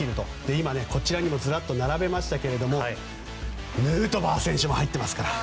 今、こちらにずらっと並べましたけれどもヌートバー選手も入ってますから。